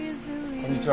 こんにちは。